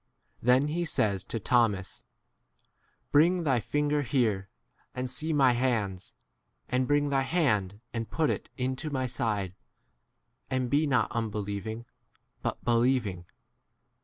Then he says to Thomas, Bring thy fin ger here, and see my hands ; and bring thy hand and put it into my side ; and be not unbelieving, but 28 believing.